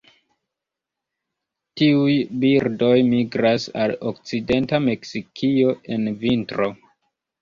Tiuj birdoj migras al okcidenta Meksikio en vintro.